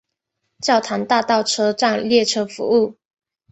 教堂大道车站列车服务。